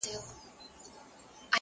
ناروغه دی اخ نه کوي زگيروی نه کوي!